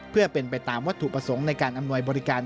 เพื่อเป็นไปตามวัตถุประสงค์ในการอำนวยบริการ